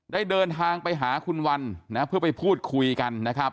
ได้เดินทางไปหาคุณวันนะเพื่อไปพูดคุยกันนะครับ